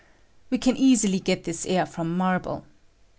We can easily get this air from marble.